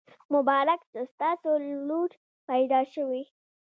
مبارک شه! ستاسو لور پیدا شوي.